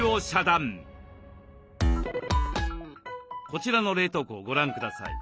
こちらの冷凍庫をご覧ください。